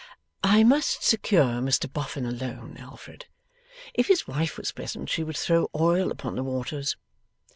'I must secure Mr Boffin alone, Alfred. If his wife was present, she would throw oil upon the waters.